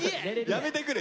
やめてくれ！